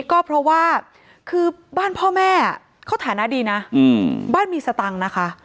ก็เพราะว่าคือบ้านพ่อแม่เขาฐานะดีนะบ้านมีสตังค์นะคะ